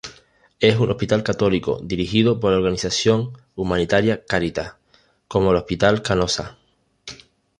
Es un hospital católico, dirigido por la organización humanitaria Caritas, como el Hospital Canossa.